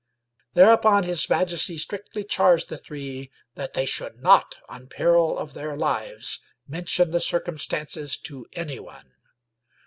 Thereupon his majesty strictly charged the three that they should not on peril of their lives mention the circum stances to anyone.